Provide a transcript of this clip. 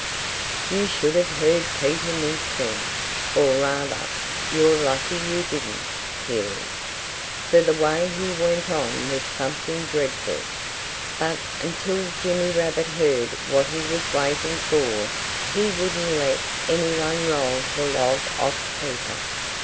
You should have heard Peter Mink then or rather, you're lucky you didn't hear him. For the way he went on was something dreadful. But until Jimmy Rabbit heard what he was waiting for, he wouldn't let anyone roll the log off Peter.